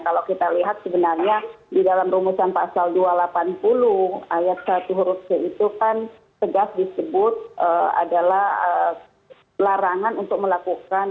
kalau kita lihat sebenarnya di dalam rumusan pasal dua ratus delapan puluh ayat satu huruf c itu kan tegas disebut adalah larangan untuk melakukan